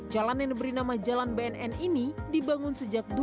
jalan yang diberi nama jalan bnn ini dibangun sejauh ini